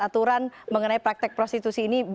aturan mengenai praktek prostitusi ini